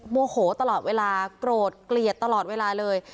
โมโหตลอดเวลาโกรธเกลียดตลอดเวลาเลย